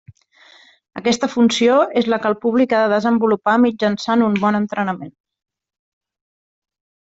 Aquesta funció és la que el públic ha de desenvolupar mitjançant un bon entrenament.